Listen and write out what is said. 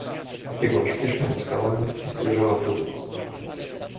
"Wbiegła śpiesznie na skałę i spojrzała w dół."